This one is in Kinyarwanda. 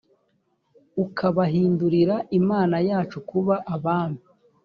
ukabahindurira imana yacu kuba abami